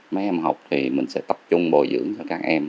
mấy em học thì mình sẽ tập trung bồi dưỡng cho các em